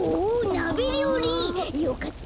なべりょうり！よかった。